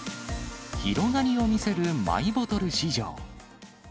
広がりを見せるマイボトル市場。